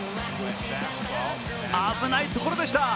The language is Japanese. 危ないところでした。